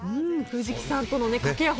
藤木さんとの掛け合い